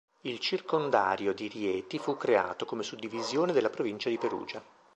Il circondario di Rieti fu creato come suddivisione della provincia di Perugia.